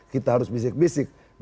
kita harus bisik bisik